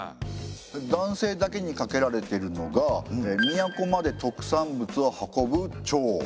男性だけにかけられてるのが都まで特産物を運ぶ調。